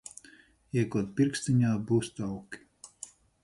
Iekod pirkstiņā, būs tauki.